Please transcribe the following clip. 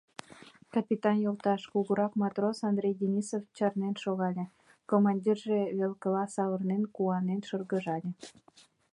— Капитан йолташ, — кугурак матрос Андрей Денисов чарнен шогале, командирже велкыла савырнен, куанен шыргыжале.